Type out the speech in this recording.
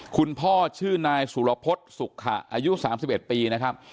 คุณพ่อชื่อนายสุรพสุขะอายุสามสิบเอ็ดปีนะครับ